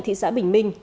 thị xã bình minh